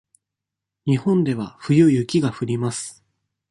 日本では冬雪が降ります。